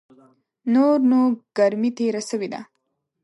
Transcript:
نور نو ګرمي تېره سوې ده .